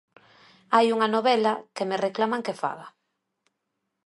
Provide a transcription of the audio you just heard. Hai unha novela que me reclaman que faga.